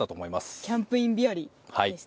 キャンプイン日和でした。